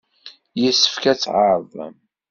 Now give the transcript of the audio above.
Yessefk ad tɛerḍem!